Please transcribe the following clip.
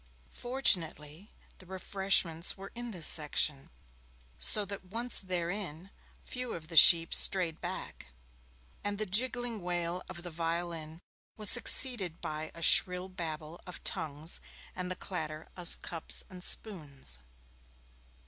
Fortunately, the refreshments were in this section, so that once therein, few of the sheep strayed back, and the jiggling wail of the violin was succeeded by a shrill babble of tongues and the clatter of cups and spoons.